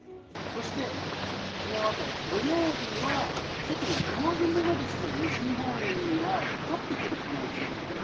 そして、そのあと土曜日はちょっと雨雲が西日本にはかかってくる可能性もある。